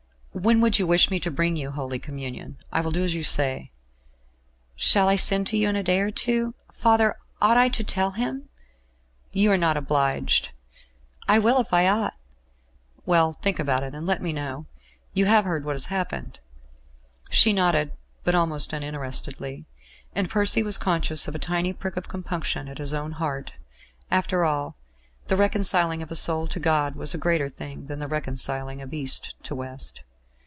"When would you wish me to bring you Holy Communion? I will do as you say." "Shall I send to you in a day or two? Father, ought I to tell him?" "You are not obliged." "I will if I ought." "Well, think about it, and let me know.... You have heard what has happened?" She nodded, but almost uninterestedly; and Percy was conscious of a tiny prick of compunction at his own heart. After all, the reconciling of a soul to God was a greater thing than the reconciling of East to West.